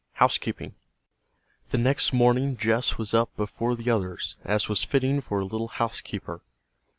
HOUSEKEEPING The next morning Jess was up before the others, as was fitting for a little housekeeper.